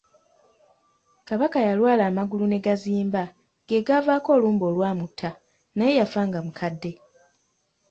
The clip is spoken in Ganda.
Kabaka yalwala amagulu ne gazimba, ge gaavaako olumbe olwamutta, naye yafa nga mukadde.